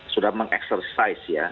sudah mengeksersis ya